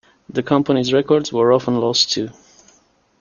The company's records were often lost too.